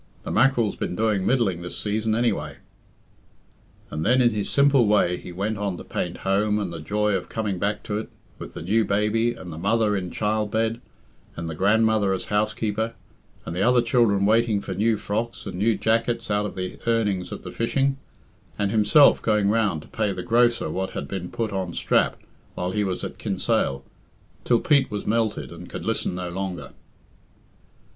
"The mack'rel's been doing middling this season, anyway." And then in his simple way he went on to paint home, and the joy of coming back to it, with the new baby, and the mother in child bed, and the grandmother as housekeeper, and the other children waiting for new frocks and new jackets out of the earnings of the fishing, and himself going round to pay the grocer what had been put on "strap" while he was at Kin sale, till Pete was melted, and could listen no longer.